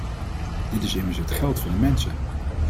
Dit is immers het geld van de mensen.